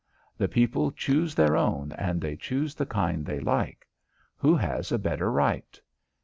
The people choose their own and they choose the kind they like. Who has a better right?